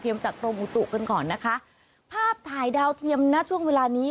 เทียมจากโตมูตุกันก่อนนะคะภาพถ่ายดาวเทียมนะช่วงเวลานี้